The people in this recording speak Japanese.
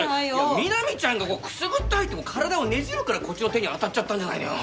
南ちゃんがくすぐったいって体をねじるからこっちの手に当たっちゃったんじゃないのよ！